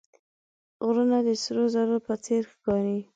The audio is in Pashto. غرونه د سرو زرو په څېر ښکاري